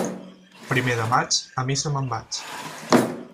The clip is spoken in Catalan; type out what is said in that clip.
Primer de maig, a missa me'n vaig.